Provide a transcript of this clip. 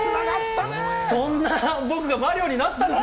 そんな僕がマリオになったんです！